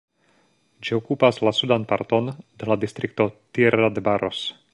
Ĝi okupas la sudan parton de la distrikto Tierra de Barros.